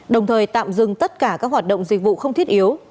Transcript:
đồng thời tạm dừng tất cả các hoạt động dịch vụ không thiết yếu